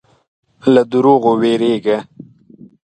له دروغو وېرېږه.